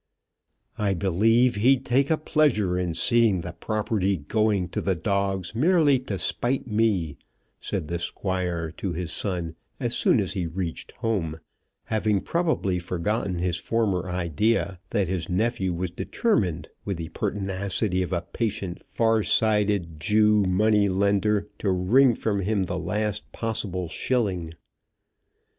"I believe he'd take a pleasure in seeing the property going to the dogs, merely to spite me," said the Squire to his son, as soon as he reached home, having probably forgotten his former idea, that his nephew was determined, with the pertinacity of a patient, far sighted Jew money lender, to wring from him the last possible shilling.